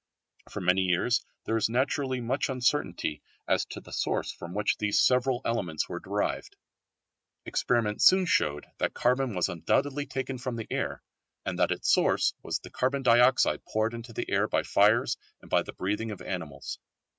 For many years there was naturally much uncertainty as to the source from which these several elements were derived. Experiment soon showed that carbon was undoubtedly taken from the air, and that its source was the carbon dioxide poured into the air by fires and by the breathing of animals.